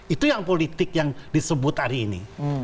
itu yang politik yang disebut hari ini